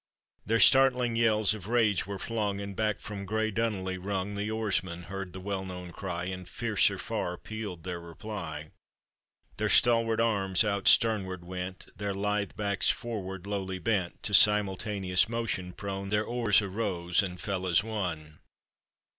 Their startling yells of rage were flung, And back from grey Dunolly rung. The oarsmen heard the well known cry, And fiercer far pealed their reply; Their stalwart arms out stern ward went, Their lithe backs forward lowly bent, To simultaneous motion prone, Their oars arose and fell as one.